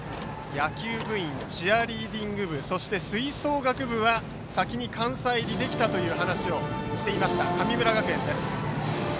野球部員、チアリーディング部そして吹奏楽部は先に関西入りできたという話をしていました、神村学園です。